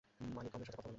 মানিকমের সাথে কথা বলুন।